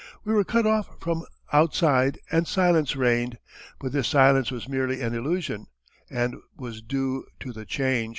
We were cut off from outside and silence reigned. But this silence was merely an illusion and was due to the change.